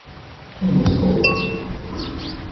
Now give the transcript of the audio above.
Quem buscou?